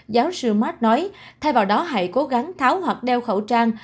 giáo sư mart nói thay vào đó hãy cố gắng tháo hoặc đeo khẩu trang